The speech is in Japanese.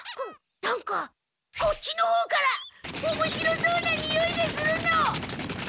なんかこっちのほうからおもしろそうなにおいがするの！